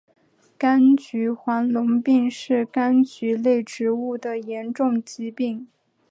柑橘黄龙病是柑橘类植物的严重疾病。